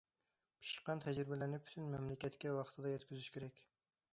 پىشقان تەجرىبىلەرنى پۈتۈن مەملىكەتكە ۋاقتىدا يەتكۈزۈش كېرەك.